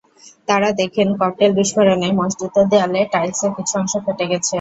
তাঁরা দেখেন, ককটেল বিস্ফোরণে মসজিদের দেয়ালে টাইলসের কিছু অংশ ফেটে গেছে।